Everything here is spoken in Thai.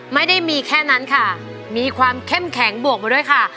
ไม่ได้มีแค่นั้นค่ะมีความเข้มแข็งบวกมาด้วยค่ะ